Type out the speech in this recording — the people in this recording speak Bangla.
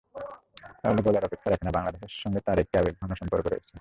তাহলে বলার অপেক্ষা রাখে না, বাংলাদেশের সঙ্গে তাঁর একটি আবেগঘন সম্পর্ক রয়েছে।